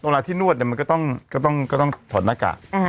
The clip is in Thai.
มันก็ต้องถอดหน้ากาก